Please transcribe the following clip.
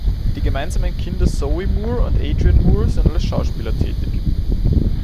Die gemeinsamen Kinder Zoe Moore und Adrian Moore sind als Schauspieler tätig.